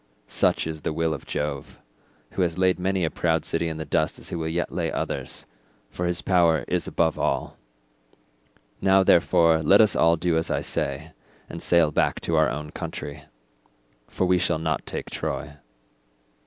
Such is the will of Jove, who has laid many a proud city in the dust as he will yet lay others, for his power is above all. Now, therefore, let us all do as I say and sail back to our own country, for we shall not take Troy."